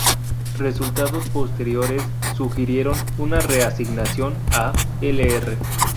Resultados posteriores sugirieron una reasignación a Lr.